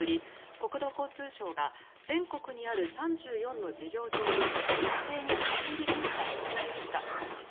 国土交通省が全国にある３４の事業場に一斉に立ち入り検査に入りました。